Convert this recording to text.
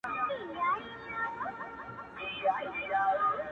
پاچا پورته په کړکۍ په ژړا سو-